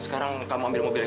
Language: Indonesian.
sekarang kamu ambil mobilnya